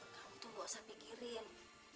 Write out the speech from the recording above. kamu tuh gak usah pikirin